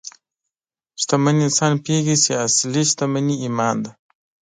شتمن انسان پوهېږي چې اصلي شتمني ایمان دی.